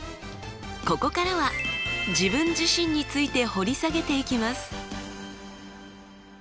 ここからは自分自身について掘り下げていきます。